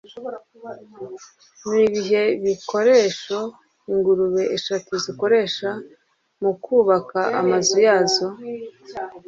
Ni ibihe bikoresho ingurube eshatu zikoresha mu kubaka amazu yazo?